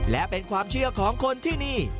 และเป็นความเชื่อของคนที่นี่